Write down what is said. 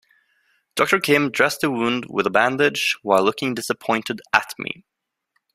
Doctor Kim dressed the wound with a bandage while looking disappointed at me.